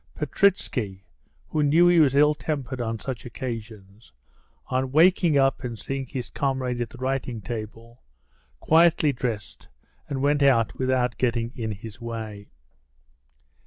Petritsky, who knew he was ill tempered on such occasions, on waking up and seeing his comrade at the writing table, quietly dressed and went out without getting in his way.